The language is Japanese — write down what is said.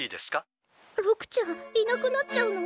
六ちゃんいなくなっちゃうの？